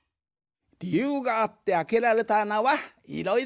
りゆうがあってあけられたあなはいろいろあるんじゃな。